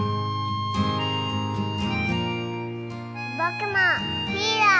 ぼくもヒーロー。